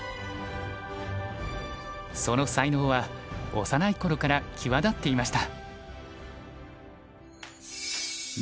その才能は幼い頃から際立っていました。